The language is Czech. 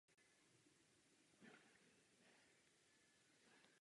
Stavba této přehrady byla však pro nedostatek finančních prostředků zastavena.